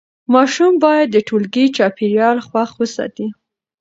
ماشوم باید د ټولګي چاپېریال خوښ وساتي.